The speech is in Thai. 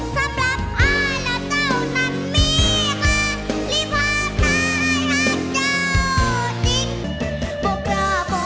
สำหรับไอล่ะเจ้านั่นมีความรีบความทายหลักเจ้าจริง